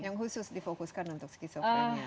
yang khusus difokuskan untuk skizofrenia